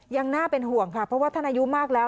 ยังน่าเป็นห่วงค่ะเพราะว่าท่านอายุมากแล้ว